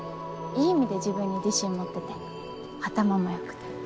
いい意味で自分に自信持ってて頭もよくて。